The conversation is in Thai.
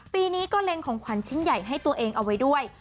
ปีนี้ก็เล็งของขวัญชิ้นใหญ่ให้ตัวเองเอาไว้ด้วย